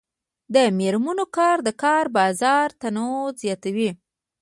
د میرمنو کار د کار بازار تنوع زیاتوي.